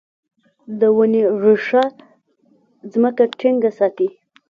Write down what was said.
د ونې ریښه ځمکه ټینګه ساتي.